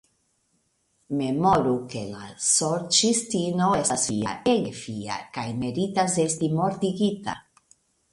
Memoru ke la Sorĉistino estas Fia, ege Fia, kaj meritas esti mortigita.